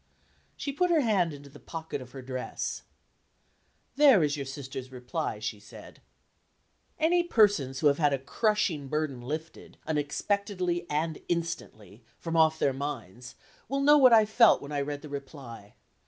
She put her hand into the pocket of her dress. "There is your sister's reply," she said. Any persons who have had a crushing burden lifted, unexpectedly and instantly, from off their minds, will know what I felt when I read the reply.